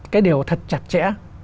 cái điều thật chặt chẽ